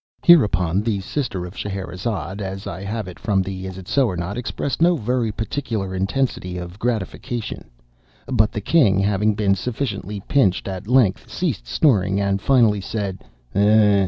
Hereupon the sister of Scheherazade, as I have it from the "Isitsöornot," expressed no very particular intensity of gratification; but the king, having been sufficiently pinched, at length ceased snoring, and finally said, "Hum!"